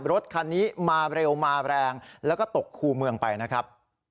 รถคันนี้มาเร็วมาแรงแล้วก็ตกคู่เมืองไปนะครับ